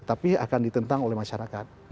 tapi akan ditentang oleh masyarakat